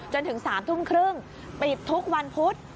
จนถึง๓ทุ่มครึ่งปิดทุกวันพุธ